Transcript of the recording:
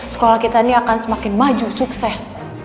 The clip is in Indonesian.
sekolah kita ini akan semakin maju sukses